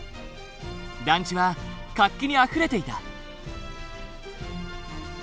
団地は活気にあふれていた。